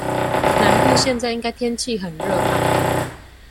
南部現在應該天氣很熱吧？